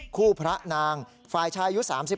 พระนางฝ่ายชายอายุ๓๕